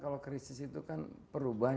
kalau krisis itu kan perubahan